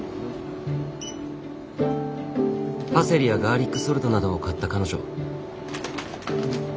パセリやガーリックソルトなどを買った彼女。